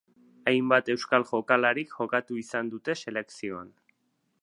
Hainbat euskal jokalarik jokatu izan dute selekzioan.